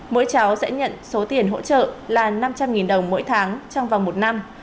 mỗi cháu sẽ nhận số tiền hỗ trợ là năm trăm linh đồng mỗi tháng trong vòng một năm